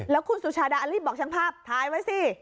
แล้วถ่ายไว้สิ